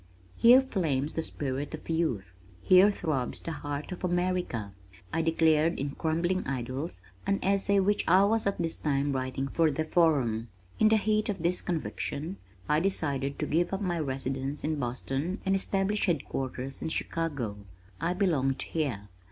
"Here flames the spirit of youth. Here throbs the heart of America," I declared in Crumbling Idols, an essay which I was at this time writing for the Forum. In the heat of this conviction, I decided to give up my residence in Boston and establish headquarters in Chicago. I belonged here.